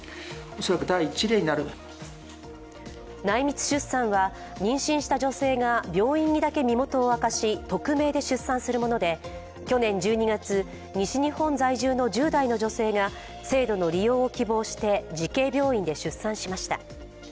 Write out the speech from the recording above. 内密出産は妊娠した女性が病院にだけ身元を明かし匿名で出産するもので去年１２月、西日本在住の１０代の女性が制度の利用を希望して慈恵病院で出産しました。